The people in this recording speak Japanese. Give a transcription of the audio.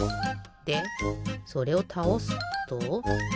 でそれをたおすと。